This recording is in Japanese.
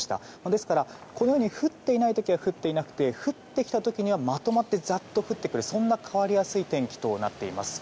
ですからこのように降っていない時は降っていなくて降ってきた時にはまとまってざっと降ってくるそんな変わりやすい天気となっています。